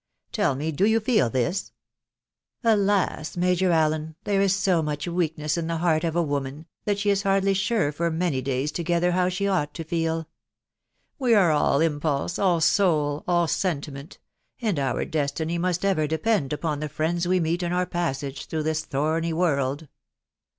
Tell me, do you feel this ?"" Alas ! Major Allen, there is so much weakness in the heart of a woman, that she is hardly sure for many days to gether how she ought to feel. .•• We are all impulse, aU soul, all sentiment, .... and our destiny must ever depend upon the friends we meet in our passage through this thorny world